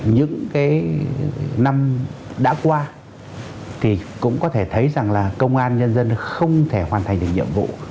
những năm đã qua cũng có thể thấy công an nhân dân không thể hoàn thành những nhiệm vụ